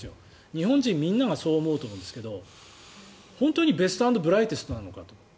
日本人みんながそう思うと思うんですが本当にベスト・アンド・ブライテストなのかと。